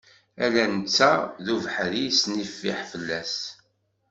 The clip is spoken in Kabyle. Ala netta d ubeḥri yesnifiḥ fell-as.